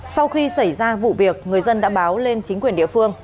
sau khi xảy ra vụ việc người dân đã báo lên chính quyền địa phương